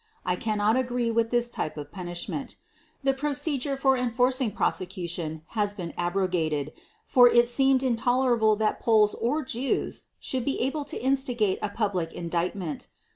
I can not agree to this type of punishment .... The procedure for enforcing prosecution has been abrogated, for it seemed intolerable that Poles or Jews should be able to instigate a public indictment.